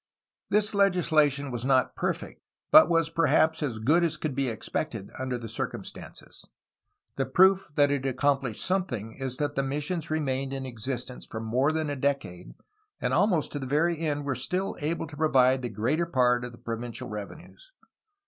This legislation was not perfect, but was perhaps as good as could be expected under the circumstances. The proof that it accomplished something is that the missions remained in existence for more than a decade, and almost to the very end were still able to provide the greater part of the pro vincial revenues.